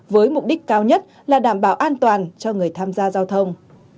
với mục đích cao nhất là đảm bảo an toàn cho người tham gia giao thông